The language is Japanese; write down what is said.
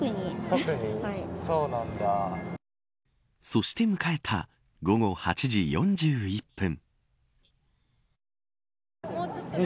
そして迎えた午後８時４１分。